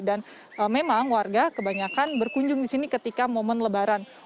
dan memang warga kebanyakan berkunjung di sini ketika momen lebaran